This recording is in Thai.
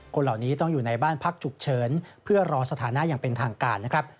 คนเหล่านี้ต้องอยู่ในบ้านพักฉุกเฉินเพื่อรอสถานะอย่างเป็นทางการนะครับ